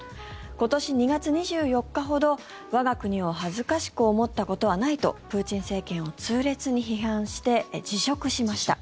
今年２月２４日ほど、我が国を恥ずかしく思ったことはないとプーチン政権を痛烈に批判して辞職しました。